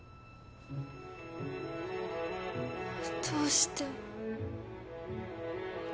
どうして？